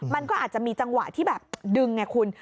มันก็อาจจะมีจังหวะที่แบบดึงไงคุณ